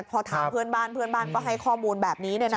พอถามเพื่อนบ้านเพื่อนบ้านก็ให้ข้อมูลแบบนี้